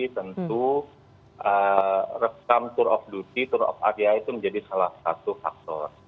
tentu rekam tour of duty tour of area itu menjadi salah satu faktor